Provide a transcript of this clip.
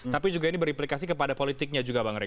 tapi juga ini berimplikasi kepada politiknya juga bang rey